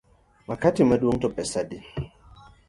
Makati maduong’ to pesa adi?